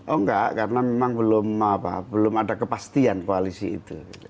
oh enggak karena memang belum ada kepastian koalisi itu